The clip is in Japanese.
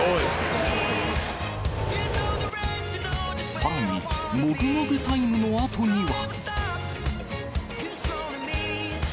さらに、もぐもぐタイムのあとには。